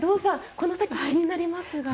この先、気になりますが。